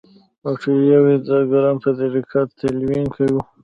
باکټریاوې د ګرام په طریقه تلوین کوو.